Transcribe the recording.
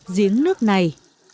diến nước này